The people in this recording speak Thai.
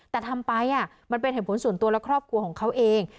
แต่ทำไปมันเป็นเหตุผลส่วนตัวและครอบครัวของเขาเอง